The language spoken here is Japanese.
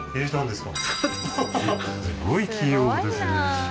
すごい器用ですね